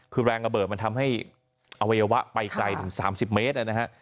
คือแรงระเบิดมันทำให้อวัยวะไปไกลถึง๓๐เมตรนะฮะ